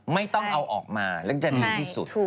ไม่ต้องเอาออกมาแล้วจะดีที่สุด